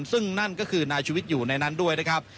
ซึ่งนั่นก็คือนายชุวิตอยู่ในนั้นด้วยนะครับ